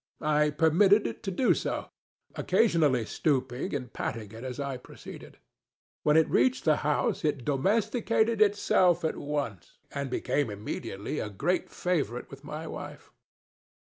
I permitted it to do so; occasionally stooping and patting it as I proceeded. When it reached the house it domesticated itself at once, and became immediately a great favorite with my wife.